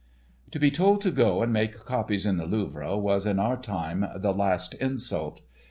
_" To be told to go and make copies in the Louvre was in our time the last insult.